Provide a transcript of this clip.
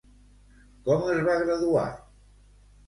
Com es va graduar?